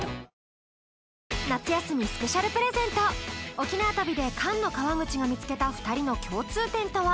沖縄旅で菅野川口が見つけた２人の共通点とは？